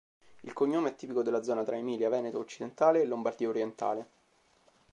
Il cognome è tipico della zona tra Emilia, Veneto occidentale e Lombardia orientale.